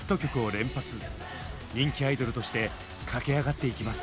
人気アイドルとして駆け上がっていきます。